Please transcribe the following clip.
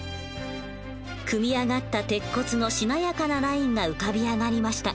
組み上がった鉄骨のしなやかなラインが浮かび上がりました。